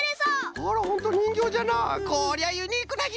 あらホントにんぎょうじゃな！